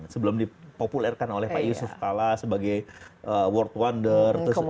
sebelum dipopulerkan oleh pak yusuf kala sebagai world wonder